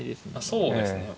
そうですね。